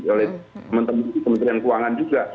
oleh pemerintah keuangan juga